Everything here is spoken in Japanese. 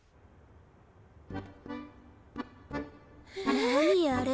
何あれ？